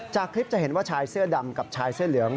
จากคลิปจะเห็นว่าชายเสื้อดำกับชายเสื้อเหลือง